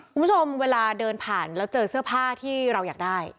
คุณผู้ชมเวลาเดินผ่านแล้วเจอเสื้อผ้าที่เราอยากได้